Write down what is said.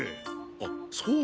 あっそうだ！